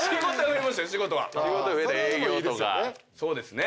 そうですね。